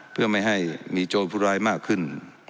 เพื่อไม่ให้มีโจรผู้ร้ายมากขึ้น